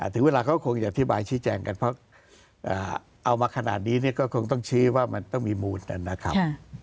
ถึงเวลาเขาคงจะอธิบายชี้แจงกันเพราะเอามาขนาดนี้เนี่ยก็คงต้องชี้ว่ามันต้องมีมูลนะครับ